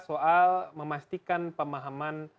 soal memastikan pemahaman